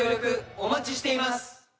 お待ちしています。